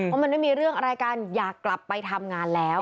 ว่ามันไม่มีเรื่องรายการอย่ากลับไปทำงานแล้ว